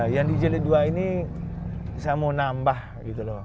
yang di jelit dua ini saya mau nambah gitu loh